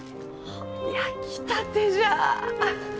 あ焼きたてじゃ！